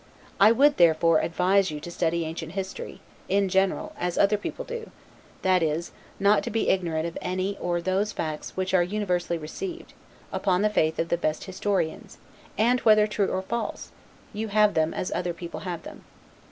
I would therefore advise you to study ancient history, in general, as other people, do; that is, not to be ignorant of any or those facts which are universally received, upon the faith of the best historians; and whether true or false, you have them as other people have them.